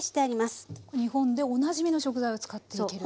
日本でおなじみの食材を使っていける。